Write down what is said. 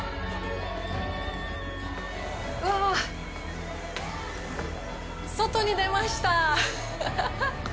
うわぁ、外に出ました！